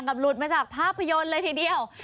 หลุดมาจากภาพยนตร์เลยทีเดียว